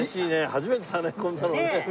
初めてだねこんなのね。